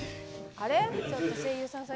あれ！？